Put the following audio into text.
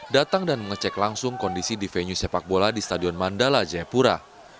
datang dan mengecek langsung kondisi di venue sepak bola di stadion mandala jayapura